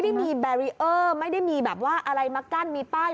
ไม่มีแบรีเออร์ไม่ได้มีแบบว่าอะไรมากั้นมีป้าย